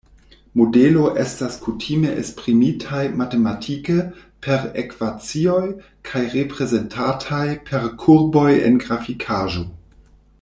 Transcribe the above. Modelo estas kutime esprimitaj matematike, per ekvacioj, kaj reprezentataj per kurboj en grafikaĵo.